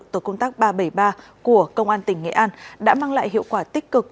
tổ công tác ba trăm bảy mươi ba của công an tỉnh nghệ an đã mang lại hiệu quả tích cực